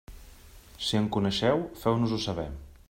Si en coneixeu, feu-nos-ho saber.